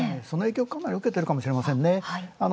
その影響を受けているかもしれませんね。